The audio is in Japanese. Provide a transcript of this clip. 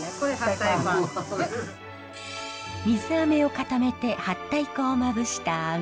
水あめを固めてはったい粉をまぶしたあめ。